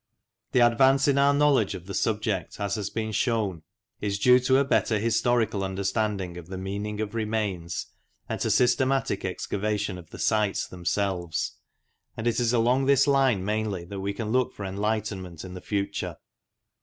The advance in our knowledge of the subject, as has been shewn, is due to a better historical under standing of the meaning of remains and to systematic excavation of the sites themselves, and it is along this line mainly that we can look for enlightenment in the future.